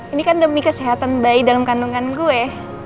ini kan demi kesehatan bayi dalam kandungan gue